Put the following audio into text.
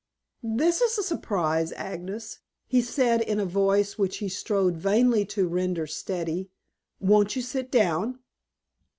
"This is a surprise, Agnes," he said in a voice which he strove vainly to render steady. "Won't you sit down?"